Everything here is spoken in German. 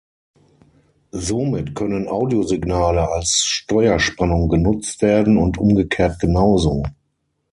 Somit können Audiosignale als Steuerspannung genutzt werden und umgekehrt genauso.